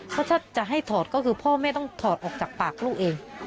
ถ้าจะให้ถอดก็คือพ่อแม่ต้องถอดออกจากปากลูกเอง